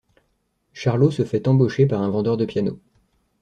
Charlot se fait embaucher par un vendeur de piano.